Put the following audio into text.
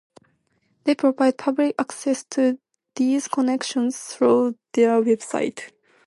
They provide public access to these collections through their website.